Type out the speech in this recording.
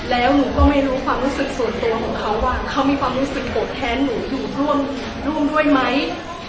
แล้วหนูก็ไม่รู้ความรู้สึกส่วนตัวของเขาว่าเขามีความรู้สึกโกรธแค้นหนูอยู่ร่วมด้วยไหม